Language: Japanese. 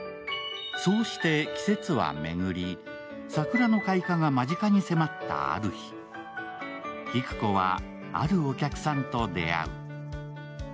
そうして季節は巡り、桜の開花が間近に迫ったある日、紀久子はあるお客さんと出会う。